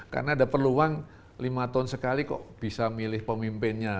karena ada peluang lima tahun sekali kok bisa milih pemimpinnya